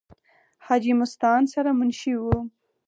حاجې مستعان سره منشي وو ۔